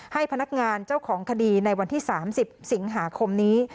ให้พนักงานเจ้าของคดีในวันที่๓๐สิงหาคมนี้